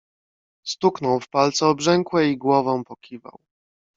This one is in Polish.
"Stuknął w palce obrzękłe i głową pokiwał."